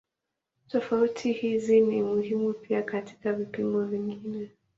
Tofauti hizi ni muhimu pia katika vipimo vingine.